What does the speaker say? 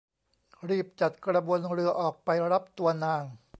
รีบจัดกระบวนเรือออกไปรับตัวนาง